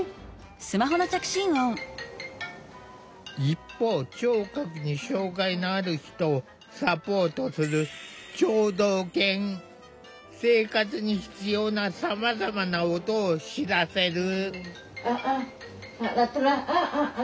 一方聴覚に障害のある人をサポートする生活に必要なさまざまな音を知らせる。